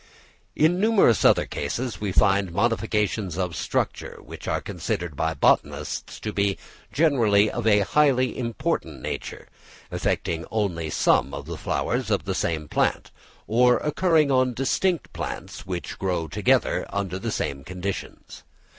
In numerous other cases we find modifications of structure, which are considered by botanists to be generally of a highly important nature, affecting only some of the flowers on the same plant, or occurring on distinct plants, which grow close together under the same conditions.